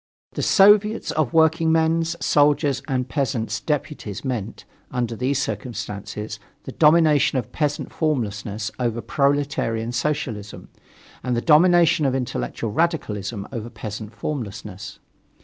The Soviets of Workingmen's, Soldiers' and Peasants' Deputies meant, under these circumstances, the domination of peasant formlessness over proletarian socialism, and the domination of intellectual radicalism over peasant formlessness.